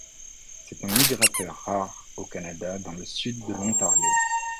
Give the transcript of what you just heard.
C'est un migrateur rare au Canada dans le sud de l'Ontario.